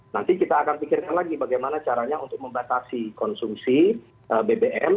jadi kita akan pikirkan lagi bagaimana caranya untuk membatasi konsumsi bbm